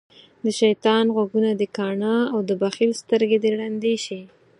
دشيطان غوږونه دکاڼه او دبخیل سترګی د ړندی شی